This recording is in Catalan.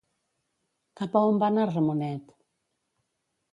Cap a on va anar Ramonet?